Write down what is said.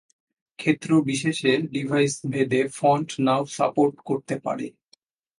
ক্ষেত্র বিশেষে ডিভাইসভেদে ফন্ট নাও সাপোর্ট করতে পারে।